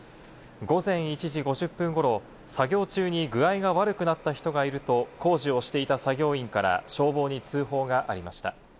午前１時５０分ごろ、作業中に具合が悪くなった人がいると工事をしていた作業員から消防に通報がありました。